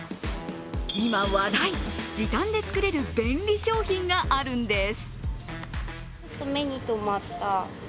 今、話題、時短で作れる便利商品があるんです。